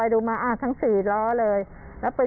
รถของทั้ง๔ล้อเลยนะครับ